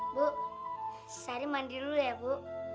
bu sari mandi dulu ya bu